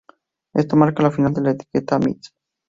Esto marca el final de la etiqueta Mist.